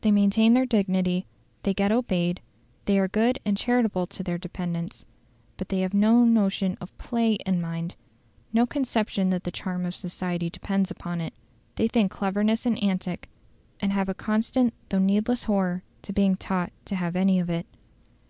They maintain their dignity; they get obeyed; they are good and charitable to their dependants. But they have no notion of PLAY of mind: no conception that the charm of society depends upon it. They think cleverness an antic, and have a constant though needless horror of being thought to have any of it.